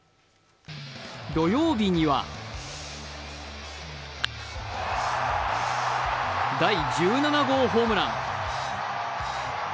土曜日には第１７号ホームラン。